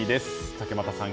竹俣さん